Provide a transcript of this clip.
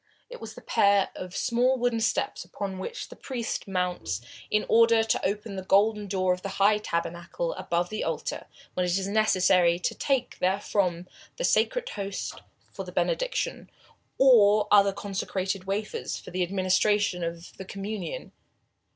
It was the pair of small wooden steps upon which the priest mounts in order to open the golden door of the high tabernacle above the altar, when it is necessary to take therefrom the Sacred Host for the Benediction, or other consecrated wafers for the administration of the Communion.